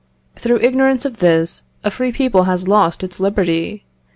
Through ignorance of this, a free people has lost its liberty!